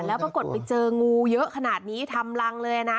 แล้วปรากฏไปเจองูเยอะขนาดนี้ทำรังเลยนะ